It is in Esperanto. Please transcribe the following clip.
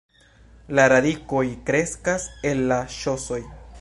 La radikoj kreskas el la ŝosoj.